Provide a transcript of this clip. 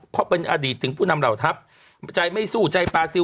เพราะเป็นอดีตถึงผู้นำเหล่าทัพใจไม่สู้ใจปลาซิล